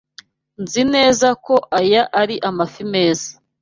Nzi neza ko aya ari amafi meza.